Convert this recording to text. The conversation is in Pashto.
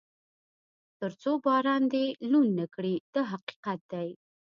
تر څو باران دې لوند نه کړي دا حقیقت دی.